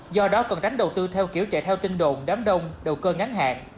do đó cần tránh đầu tư theo kiểu chạy theo tinh đồn đám đông đầu cơ ngắn hạn